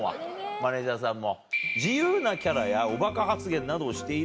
マネジャーさんも。